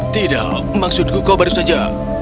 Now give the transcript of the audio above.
tidak maksudku kau baru saja